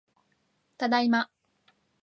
ただいま